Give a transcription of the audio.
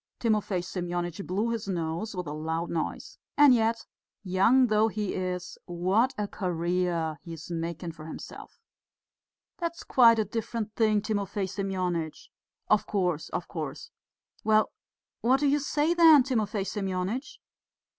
Timofey Semyonitch blew his nose with a loud noise. "And yet, young though he is, what a career he is making for himself." "That's quite a different thing, Timofey Semyonitch." "Of course, of course." "Well, what do you say then, Timofey Semyonitch?"